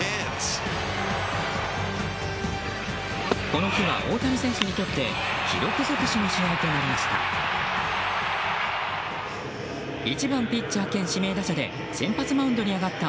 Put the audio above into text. この日、大谷選手にとって記録尽くしの試合になりました。